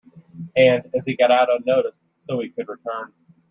And, as he got out unnoticed, so he could return.